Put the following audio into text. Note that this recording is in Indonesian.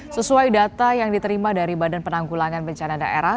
sesuai data yang diterima dari badan penanggulangan bencana daerah